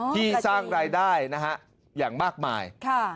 ที่สร้างรายได้นะฮะอย่างมากมาย